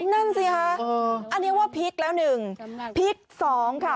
นั่นสิคะอันนี้ว่าพีคแล้วหนึ่งพีคสองค่ะ